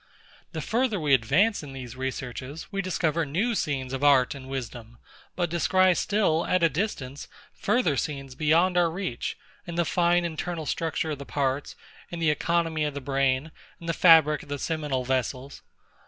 The further we advance in these researches, we discover new scenes of art and wisdom: But descry still, at a distance, further scenes beyond our reach; in the fine internal structure of the parts, in the economy of the brain, in the fabric of the seminal vessels.